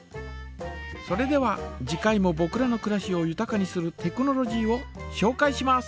それでは次回もぼくらのくらしをゆたかにするテクノロジーをしょうかいします。